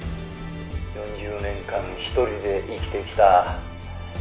「４０年間一人で生きてきた。